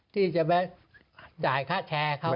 ที่จะไปจ่ายค่าแชร์เขา